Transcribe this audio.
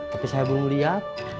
tapi saya belum liat